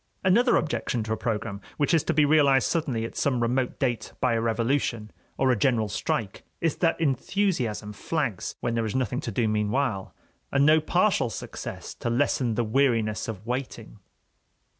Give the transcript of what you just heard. Another objection to a program which is to be realized suddenly at some remote date by a revolution or a general strike is that enthusiasm flags when there is nothing to do meanwhile, and no partial success to lessen the weariness of waiting.